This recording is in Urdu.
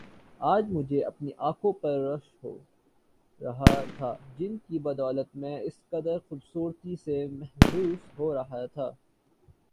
آج مجھے اپنی انکھوں پر رشک ہو رہا تھا جن کی بدولت میں اس قدر خوبصورتی سے محظوظ ہو رہا تھا